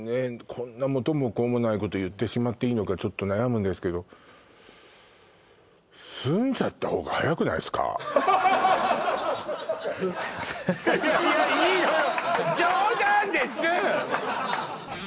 こんな元も子もないこと言ってしまっていいのかちょっと悩むんですけどいやいやいいのよ